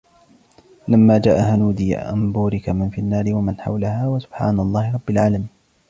فَلَمَّا جَاءَهَا نُودِيَ أَنْ بُورِكَ مَنْ فِي النَّارِ وَمَنْ حَوْلَهَا وَسُبْحَانَ اللَّهِ رَبِّ الْعَالَمِينَ